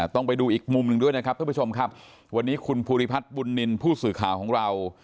ต้องไปดูอีกมุมหนึ่งด้วยนะครับท่านผู้ชมครับวันนี้คุณภูริพัฒน์บุญนินทร์ผู้สื่อข่าวของเรา